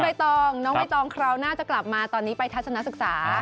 ใบตองน้องใบตองคราวหน้าจะกลับมาตอนนี้ไปทัศนศึกษา